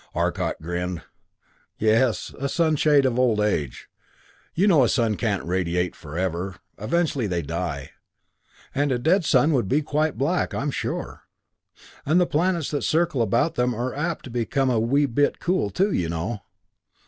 Arcot grinned. "Yes. A shade of old age. You know a sun can't radiate forever; eventually they die. And a dead sun would be quite black, I'm sure." "And the planets that circle about them are apt to become a wee bit cool too, you know."